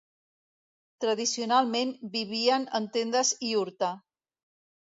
Tradicionalment vivien en tendes iurta.